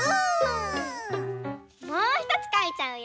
もうひとつかいちゃうよ！